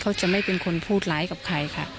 เขาจะไม่เป็นคนพูดร้ายกับใครค่ะ